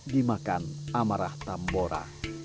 dimakan amarah tambora